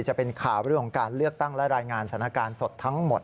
จะเป็นข่าวเรื่องของการเลือกตั้งและรายงานสถานการณ์สดทั้งหมด